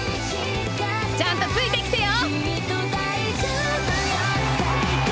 ちゃんとついて来てよ！